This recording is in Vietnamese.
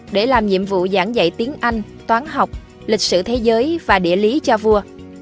để làm nhiệm vụ giảng dạy tiếng anh toán học lịch sử thế giới và địa lý cho vua